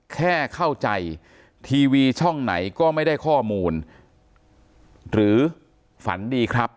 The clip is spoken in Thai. แค่เข้าใจทีวีช่องไหนก็ไม่ได้ข้อมูลหรือฝันดีครับ